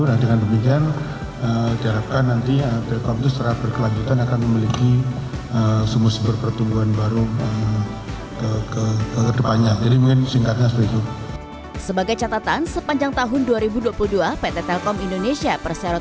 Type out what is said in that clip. nah dengan demikian diharapkan nanti telkom itu secara berkelanjutan akan memiliki sumber pertumbuhan baru